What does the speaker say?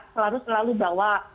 selalu selalu bawa